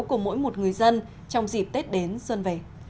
của mỗi một người dân trong dịp tết đến xuân về